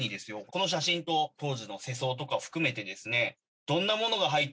この写真と当時の世相とか含めてですね。